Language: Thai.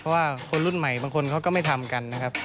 เพราะว่าคนรุ่นใหม่บางคนเขาก็ไม่ทำกันนะครับ